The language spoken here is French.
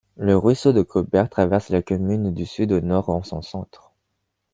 Le ruisseau de Caubère traverse la commune du sud au nord en son centre.